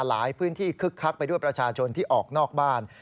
หลายพื้นที่คึกคักไปด้วยประชาชนที่ออกนอกบ้าน